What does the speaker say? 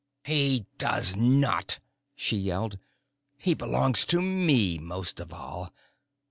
"He does not!" she yelled. "He belongs to me most of all.